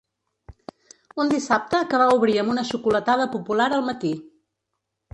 Un dissabte que va obrir amb una xocolatada popular al matí.